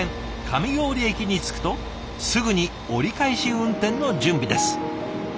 上郡駅に着くとすぐに折り返し運転の準備です。